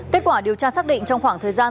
kết quả điều tra xác định trong khoảng thời gian